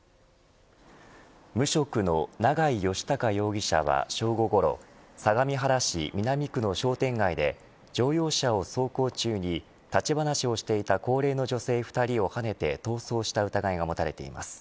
無職の長井義孝容疑者は正午ごろ相模原市南区の商店街で乗用車を走行中に立ち話をしていた高齢の女性２人をはねて逃走した疑いが持たれています